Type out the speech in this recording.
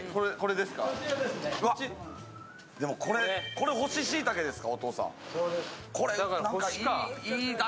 これ、干ししいたけですか。